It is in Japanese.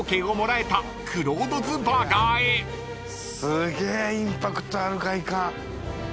すげえインパクトある外観。